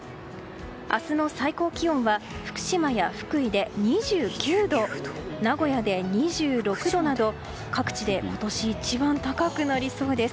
明日の最高気温は福島や福井で２９度名古屋で２６度など各地で今年一番高くなりそうです。